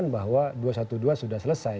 bahwa dua ratus dua belas sudah selesai